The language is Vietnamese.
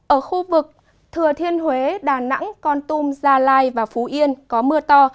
ở khu vực thừa thiên huế đà nẵng con tum gia lai và phú yên có mưa to